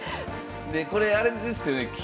でこれあれですよね